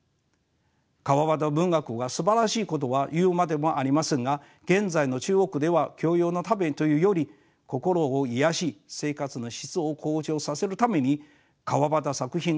川端文学がすばらしいことは言うまでもありませんが現在の中国では教養のためというより心を癒やし生活の質を向上させるために川端作品が選ばれてるのです。